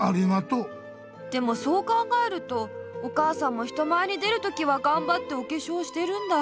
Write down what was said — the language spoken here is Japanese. でもそう考えるとお母さんも人前に出るときはがんばっておけしょうしてるんだ。